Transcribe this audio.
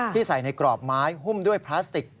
ใส่ในกรอบไม้หุ้มด้วยพลาสติก